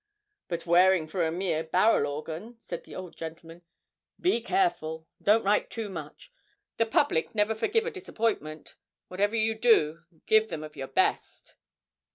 'But wearing for a mere barrel organ,' said the old gentleman. 'Be careful; don't write too much. The public never forgive a disappointment. Whatever you do, give them of your best.'